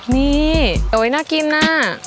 นี่เอาไว้น่ากินนะ